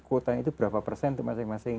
kuotanya itu berapa persen untuk masing masing